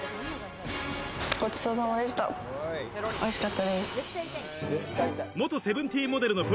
ごちそうさまでした。